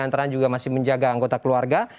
antara juga masih menjaga anggota keluarga